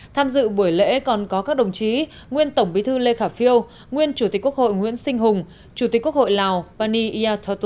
tham dự buổi lễ còn có các đồng chí nguyên tổng bí thư lê khả phiêu nguyên chủ tịch quốc hội nguyễn sinh hùng chủ tịch quốc hội lào pani yathotu